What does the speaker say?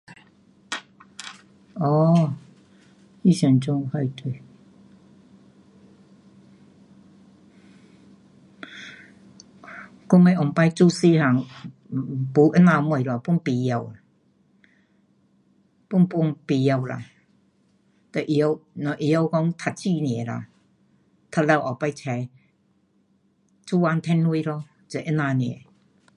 um [unintelligible] 我们以前做小个没这样东西 pun 不会。pun pun 不会啦。就会晓，只会晓说读书而已咯。读了以后出去做工赚钱咯，就这样 nia